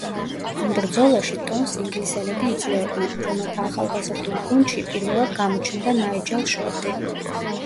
ამ ბრძოლაში ტონს ინგლისელები იძლეოდნენ, რომელთა ახალგაზრდულ გუნდში პირველად გამოჩნდა ნაიჯელ შორტი.